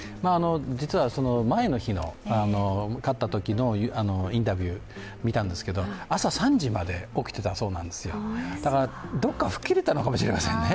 実は、前の日の勝ったときのインタビュー見たんですが朝３時まで起きてたそうなんですよだから、どこか吹っ切れたのかもしれませんね。